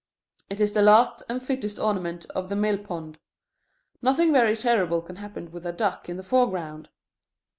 It is the last and fittest ornament of the mill pond. Nothing very terrible can happen with a duck in the foreground.